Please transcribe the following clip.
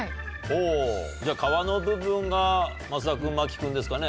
じゃあ皮の部分が増田君真木君ですかね。